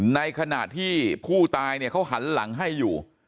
ในขณะที่ผู้ตายเนี่ยเขาหันหลังให้อยู่